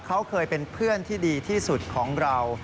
เขาเคยเป็นเพื่อนที่ดีที่สุดของเรา